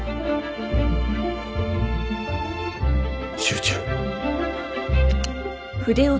集中。